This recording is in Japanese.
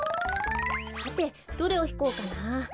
さてどれをひこうかな。